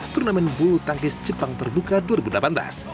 turnamen bulu tangkis jepang terbuka dua ribu delapan belas